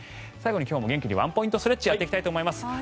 最後に今日も元気にワンポイントストレッチやっていきたいと思います。